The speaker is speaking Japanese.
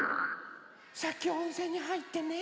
さっきおんせんにはいってね